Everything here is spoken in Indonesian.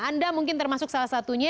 anda mungkin termasuk salah satunya